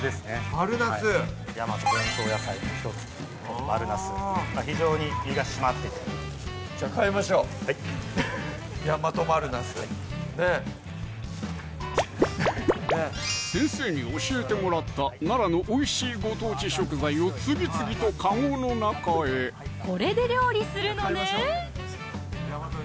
丸なす大和伝統野菜の１つ丸なす非常に実が締まっててじゃあ買いましょうはい大和丸なすねっ先生に教えてもらった奈良のおいしいご当地食材を次々とかごの中へこれで料理するのね